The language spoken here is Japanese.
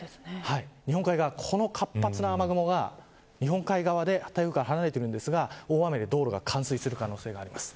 日本海側の活発な雨雲が日本海側で台風から離れてるんですが大雨で道路が冠水する可能性があります。